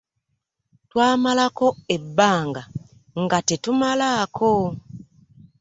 Twamalako ebbanga nga tetumalako.